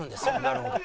なるほど。